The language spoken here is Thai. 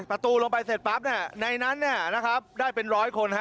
ประตูลงไปเสร็จปั๊บในนั้นได้เป็นร้อยคน